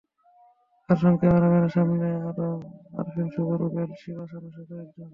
তাঁর সঙ্গে ক্যামেরার সামনে আরও আছেন আরিফিন শুভ, রুবেল, শিবা শানুসহ কয়েকজন।